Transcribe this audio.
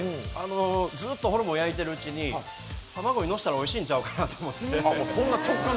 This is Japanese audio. ずっとホルモン焼いているうちに卵にのせたらおいしいんちゃうかなと思って。